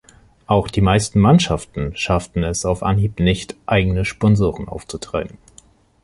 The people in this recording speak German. Auch die meisten Mannschaften schafften es auf Anhieb nicht eigene Sponsoren aufzutreiben.